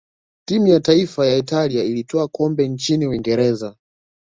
timu ya taifa ya italia ilitwaa kombe nchini uingereza